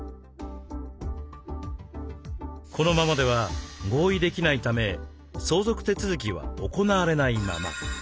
このままでは合意できないため相続手続きは行われないまま。